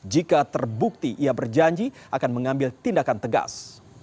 jika terbukti ia berjanji akan mengambil tindakan tegas